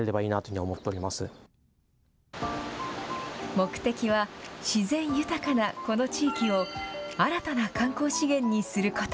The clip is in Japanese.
目的は自然豊かなこの地域を新たな観光資源にすること。